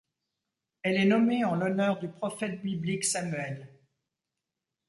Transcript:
Elle est nommée en l'honneur du prophète biblique Samuel.